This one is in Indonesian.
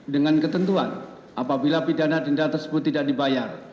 dengan ketentuan apabila pidana denda tersebut tidak dibayar